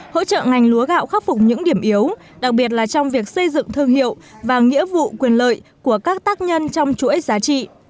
hỗ trợ ngành lúa gạo khắc phục những điểm yếu đặc biệt là trong việc xây dựng thương hiệu và nghĩa vụ quyền lợi của các tác nhân trong chuỗi giá trị